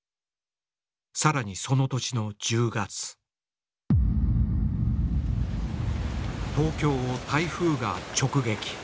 さらにその年の１０月東京を台風が直撃。